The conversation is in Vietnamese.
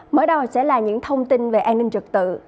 mới đó sẽ là những thông tin về an ninh trực tự